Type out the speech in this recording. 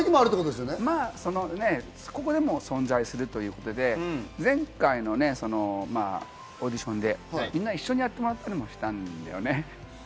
一緒の時もあれば、バラバラまぁ、そこも存在するということで前回のオーディションでみんな一緒にやってもらったりもしたんだよね。